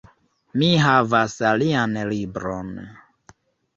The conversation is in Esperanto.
Mi havas alian libron